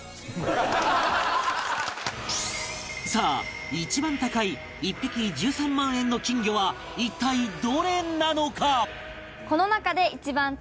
さあ一番高い１匹１３万円の金魚は一体どれなのか？